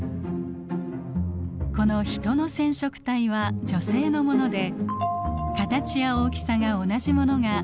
このヒトの染色体は女性のもので形や大きさが同じものが２本ずつあります。